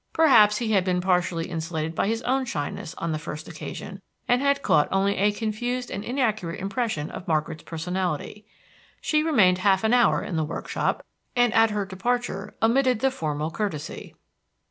Perhaps he had been partially insulated by his own shyness on the first occasion, and had caught only a confused and inaccurate impression of Margaret's personality. She remained half an hour in the workshop, and at her departure omitted the formal courtesy.